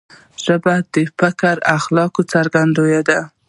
ژبه د فکر خلاقیت څرګندوي.